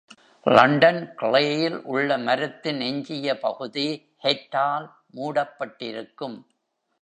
London க்ளேயில் உள்ள மரத்தின் எஞ்சிய பகுதி ஹெட்டால் மூடப்பட்டிருக்கும்.